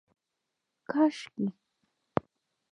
کاشکي